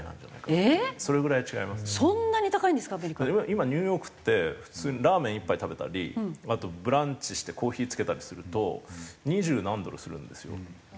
今ニューヨークって普通にラーメン１杯食べたりあとブランチしてコーヒー付けたりすると二十何ドルするんですよ。